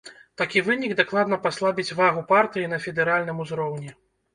Такі вынік дакладна паслабіць вагу партыі на федэральным узроўні.